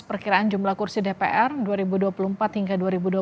perkiraan jumlah kursi dpr dua ribu dua puluh empat hingga dua ribu dua puluh